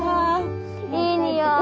いい匂い。